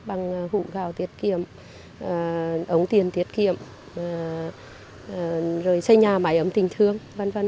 phụ gào tiết kiệm ống tiền tiết kiệm xây nhà máy ấm tình thương v v